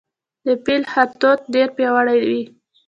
د پیل خرطوم ډیر پیاوړی وي